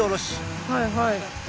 はいはい。